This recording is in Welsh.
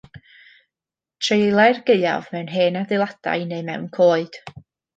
Treulia'r gaeaf mewn hen adeiladau neu mewn coed.